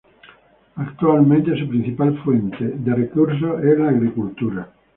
Actualmente su principal fuente de recursos es la agricultura.